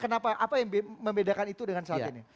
kenapa apa yang membedakan itu dengan saat ini